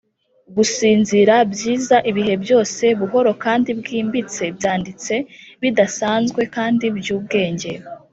gusinzira, byiza, ibihe byose, buhoro kandi bwimbitse, byanditse bidasanzwe kandi byubwenge,